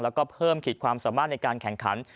แล้วก็เพิ่มขีดความสามารถในการแข่งขัน